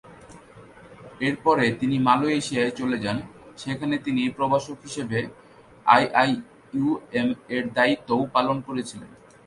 এরপরে তিনি মালয়েশিয়ায় চলে যান, সেখানে তিনি প্রভাষক হিসাবে আইআইইউএম-এর দায়িত্বও পালন করেছিলেন।